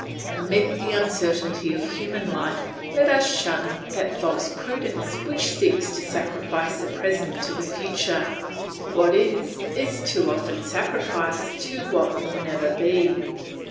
Amid the uncertainty of human life, let us shun that false prudence which seeks to sacrifice the present to the future; what is, is too often sacrificed to what will never be.